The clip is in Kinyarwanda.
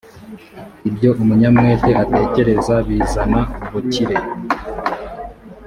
ibyo umunyamwete atekereza bizana ubukire